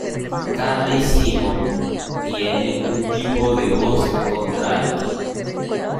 Carly Simon tiene un tipo de voz contralto.